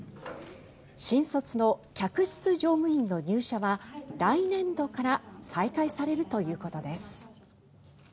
新卒の客室乗務員の入社は来年度から再開されるということです。